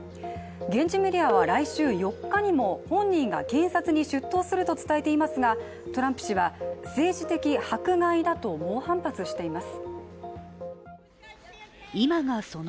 現地メディアは来週４日にも本人が検察に出頭すると伝えていますが、トランプ氏は、政治的迫害だと猛反発しています。